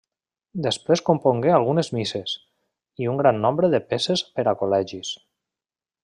Després compongué algunes misses, i un gran nombre de peces per a col·legis.